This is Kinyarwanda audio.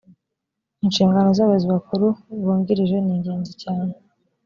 inshingano z ‘abayobozi bakuru bungirije ningenzi cyane